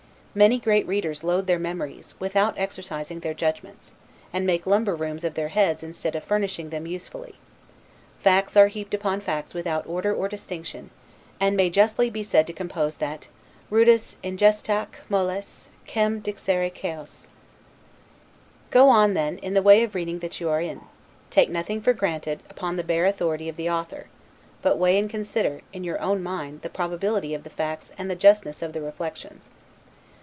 Many great readers load their memories, without exercising their judgments; and make lumber rooms of their heads instead of furnishing them usefully; facts are heaped upon facts without order or distinction, and may justly be said to compose that ' Rudis indigestaque moles Quem dixere chaos'. Go on, then, in the way of reading that you are in; take nothing for granted, upon the bare authority of the author; but weigh and consider, in your own mind, the probability of the facts and the justness of the reflections.